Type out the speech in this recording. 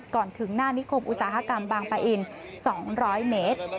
ก่อนถึงหน้านิคมอุตสาหกรรมบางปะอิน๒๐๐เมตร